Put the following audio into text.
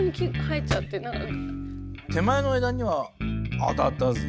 手前の枝には当たったぜ。